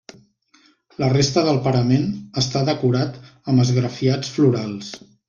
La resta del parament està decorat amb esgrafiats florals.